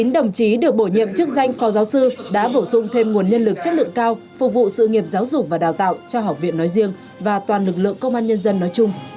chín đồng chí được bổ nhiệm chức danh phó giáo sư đã bổ sung thêm nguồn nhân lực chất lượng cao phục vụ sự nghiệp giáo dục và đào tạo cho học viện nói riêng và toàn lực lượng công an nhân dân nói chung